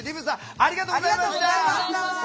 ありがとうございます！